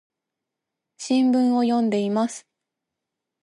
新聞を読んでいます。